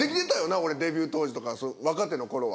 俺デビュー当時とか若手のころは。